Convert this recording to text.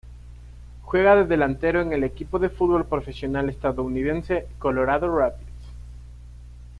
Juega de delantero en el equipo de fútbol profesional estadounidense Colorado Rapids.